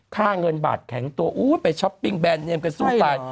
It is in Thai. ค่าเงินบาทแข็งตัวอู๋ไปช็อปปิ้งแบนเงินกันสู้ตาย